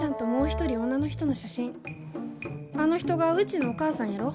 あの人がうちのお母さんやろ。